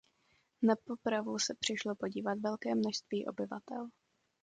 Na popravu se přišlo podívat velké množství obyvatel.